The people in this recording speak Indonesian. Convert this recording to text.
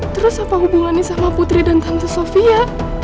terus apa hubungannya sama putri dan tante sofia